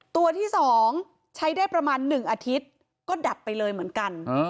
ตัวที่๒ใช้ได้ประมาณ๑อาทิตย์ก็ดับไปเลยเหมือนกัน